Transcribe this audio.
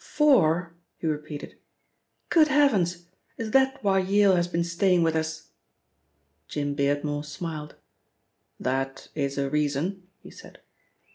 "Four?" he repeated. "Good heavens! Is that why Yale has been staying with us?" Jim Beardmore smiled. "That is a reason," he said.